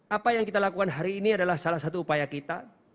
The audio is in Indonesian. apa yang kita lakukan hari ini adalah salah satu upaya kita